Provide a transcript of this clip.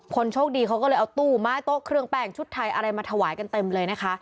โชคดีเขาก็เลยเอาตู้ไม้โต๊ะเครื่องแป้งชุดไทยอะไรมาถวายกันเต็มเลยนะคะ